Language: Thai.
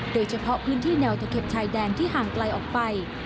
โดยเฉพาะพื้นที่แนวตะเข็บชายแดนที่ห่างไกลออกไป